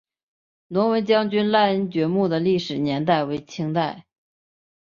振威将军赖恩爵墓的历史年代为清代。